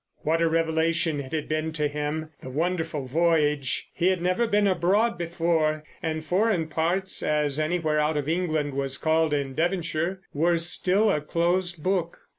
What a revelation it had been to him—the wonderful voyage. He had never been abroad before, and "foreign parts"—as anywhere out of England was called in Devonshire—were still a closed book.